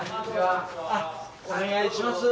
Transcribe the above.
お願いします！